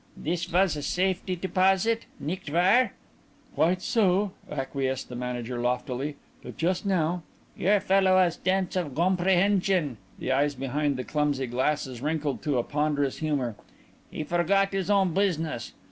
"This was a safety deposit, nicht wahr?" "Quite so," acquiesced the manager loftily, "but just now " "Your fellow was dense of gomprehension." The eyes behind the clumsy glasses wrinkled to a ponderous humour. "He forgot his own business.